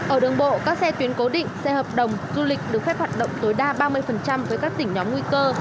ở đường bộ các xe tuyến cố định xe hợp đồng du lịch được phép hoạt động tối đa ba mươi với các tỉnh nhóm nguy cơ